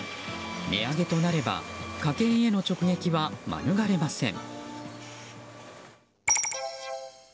値上げとなれば家計への直撃は免れません。